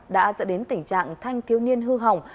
đã dẫn đến tình trạng thanh thiếu niên hư hỏng